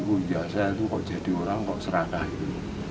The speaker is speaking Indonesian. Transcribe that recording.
oh iya saya itu kok jadi orang kok serakah itu